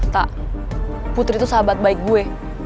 tak putri itu sahabat baik gue